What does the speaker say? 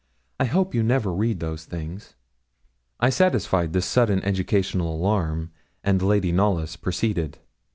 I hope you never read those things.' I satisfied this sudden educational alarm, and Lady Knollys proceeded.